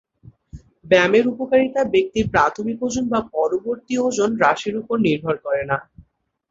ব্যায়ামের উপকারিতা ব্যক্তির প্রাথমিক ওজন বা পরবর্তী ওজন হ্রাসের উপর নির্ভর করে না।